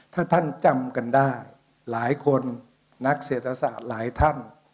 ถ้าท่านจำกันได้หลายคนนักเศรษฐศาสตร์หลายท่าน